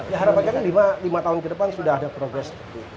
ya harapannya kan lima tahun ke depan sudah ada progres